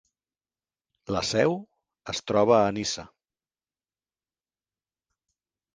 La seu es troba a Niça.